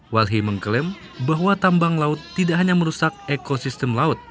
walhi mengklaim bahwa tambang laut tidak hanya merusak ekosistem laut